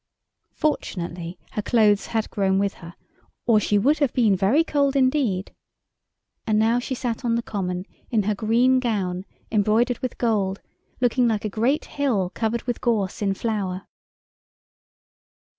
Fortunately, her clothes had grown with her, or she would have been very cold indeed, and now she sat on the common in her green gown, embroidered with gold, looking like a great hill covered with gorse in flower.